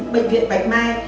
bệnh viện bạch mai